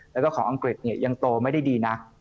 แล้วก็ของอังกฤษเนี่ยยังโตไม่ได้ดีนะ